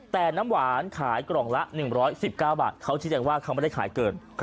แต่น้ำหวานขายกล่องละ๑๑๙บาทเขาชี้แจงว่าเขาไม่ได้ขายเกิน